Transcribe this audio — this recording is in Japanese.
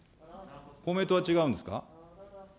公明党は違うんですか。